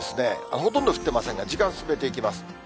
ほとんど降ってませんが、時間進めていきます。